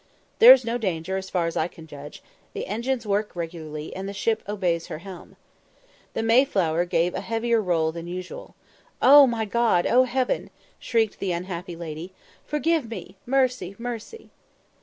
"There's no danger, as far as I can judge; the engines work regularly, and the ship obeys her helm." The Mayflower gave a heavier roll than usual. "Oh my God! Oh Heaven!" shrieked the unhappy lady; "forgive me! Mercy! mercy!"